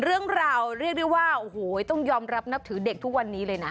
เรื่องราวเรียกได้ว่าโอ้โหต้องยอมรับนับถือเด็กทุกวันนี้เลยนะ